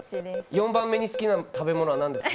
４番目に好きな食べ物なんですか？